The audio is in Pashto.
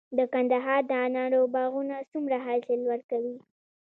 د کندهار د انارو باغونه څومره حاصل ورکوي؟